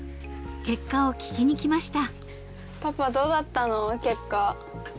結果を聞きに来ました］